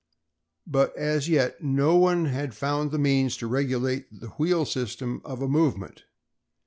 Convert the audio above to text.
But as yet, no one had found means to regulate the wheel system of a movement.